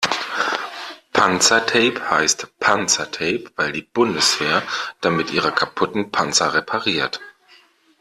Panzertape heißt Panzertape, weil die Bundeswehr damit ihre kaputten Panzer repariert.